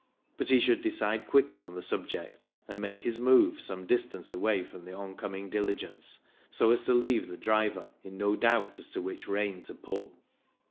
But he should decide quickly on the sub ject, and make his move some distance away from the oncoming diligence, so as to leave the driver in no doubt as to which rein to pull.